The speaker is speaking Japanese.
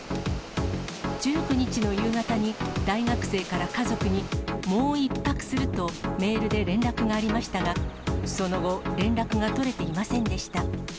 １９日の夕方に大学生から家族に、もう１泊するとメールで連絡がありましたが、その後、連絡が取れていませんでした。